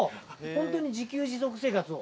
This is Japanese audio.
ほんとに自給自足生活を？